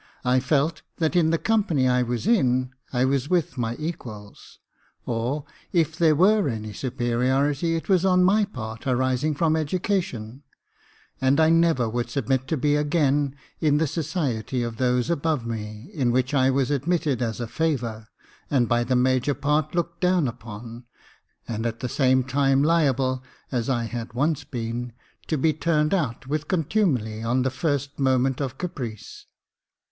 I felt that in the company I was in I was with my equals, or, if there were any superiority, it was on my part, arising from education, and I never would submit to be again in the society of those above me, in which I was admitted as a favour, and by the major part looked down upon, and at the same time liable, as I had once been, to be turned out with contumely on the first moment of caprice.